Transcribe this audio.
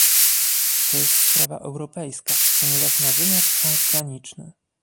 To jest sprawa europejska, ponieważ ma wymiar transgraniczny